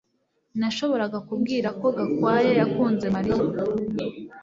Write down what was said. Nashoboraga kubwira ko Gakwaya yakunze Mariya